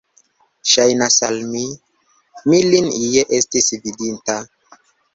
Ŝajnas al mi, mi lin ie estis vidinta!